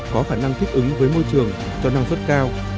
có khả năng thích ứng với môi trường cho năng suất cao